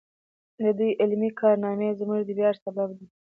د دوی علمي کارنامې زموږ د ویاړ سبب دی.